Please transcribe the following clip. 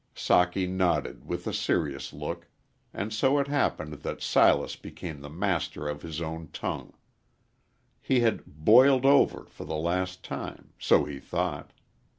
Socky nodded with a serious look, and so it happened that Silas became the master of his own tongue. He had "boiled over" for the last time so he thought.